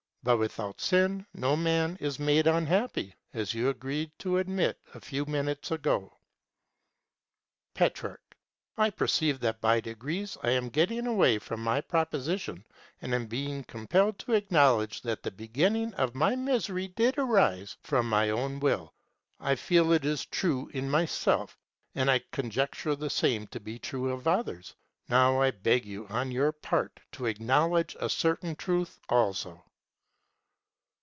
But without sin no man is made unhappy, as you agreed to admit a few minutes ago. Petrarch. I perceive that by degrees I am getting away from my proposition and am being compelled to acknowledge that the beginning of my misery did arise from my own will. I feel it is true in myself, and I conjecture the same to be true of others. Now I beg you on your part to acknowledge a certain truth also.